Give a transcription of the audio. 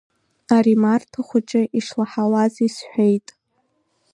Ари Марҭа хәыҷы ишлаҳауаз исҳәеит.